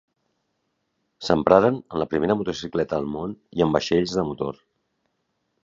S'empraren en la primera motocicleta al món i en vaixells de motor.